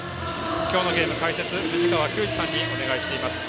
今日のゲーム、解説藤川球児さんにお願いしてまいります。